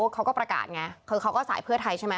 เขาก็ประกาศไงคือเขาก็สายเพื่อไทยใช่ไหม